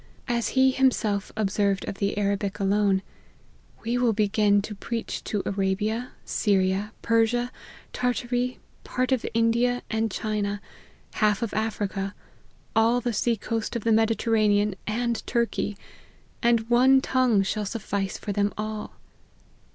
As he himself observed of the Arabic alone, " we will begin to preach to Arabia, Syria, Persia, Tartary part of India and China, half of Africa, all the sea coast of the Mediterranean, and Turkey, and one tongue shall suffice for them all."